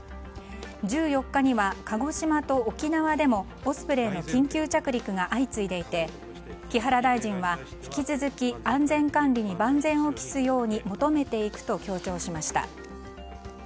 １４日には、鹿児島と沖縄でもオスプレイの緊急着陸が相次いでいて木原大臣は、引き続き安全管理に万全を期すように求めていくと強調しました。